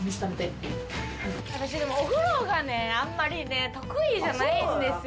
私お風呂があんまり得意じゃないんですよ。